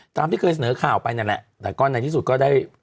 ตามที่เคยเสนอข่าวไปนั่นแหละแต่ก็ในที่สุดก็ได้